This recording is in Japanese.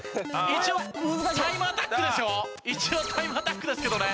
一応タイムアタックですけどね。